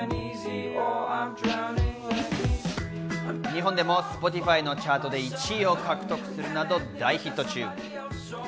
日本でもＳｐｏｔｉｆｙのチャートで１位を獲得するなど大ヒット中。